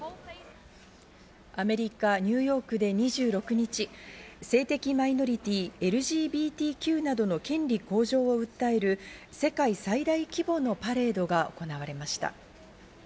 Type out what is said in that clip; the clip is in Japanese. アメリカ・ニューヨークで２６日、性的マイノリティーＬＧＢＴＱなどの権利向上を訴える世界最大規模のパレードが行われました。